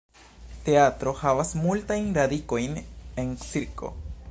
Teatro havas multajn radikojn en cirko.